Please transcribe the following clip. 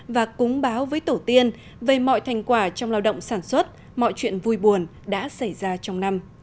và cúng báo với tổ tiên về mọi thành quả trong lao động sản xuất mọi chuyện vui buồn đã xảy ra trong năm